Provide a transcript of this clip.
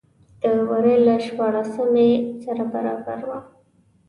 د وري له شپاړلسمې سره برابره وه.